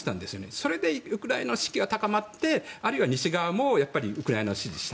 それでウクライナの士気が高まってあるいは西側もウクライナを支持した。